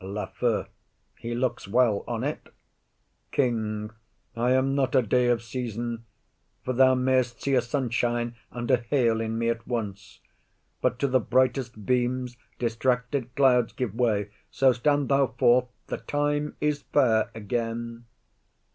LAFEW. He looks well on 't. KING. I am not a day of season, For thou mayst see a sunshine and a hail In me at once. But to the brightest beams Distracted clouds give way; so stand thou forth; The time is fair again.